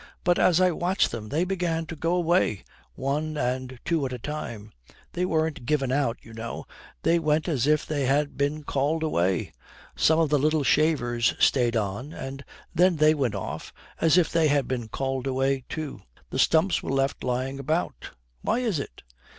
But as I watched them they began to go away, one and two at a time; they weren't given out, you know, they went as if they had been called away. Some of the little shavers stayed on and then they went off, as if they had been called away too. The stumps were left lying about. Why is it?'